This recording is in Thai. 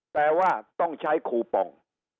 แต่ว่าต้องใช้คูปอง